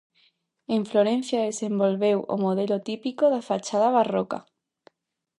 En Florencia desenvolveu o modelo típico da fachada barroca.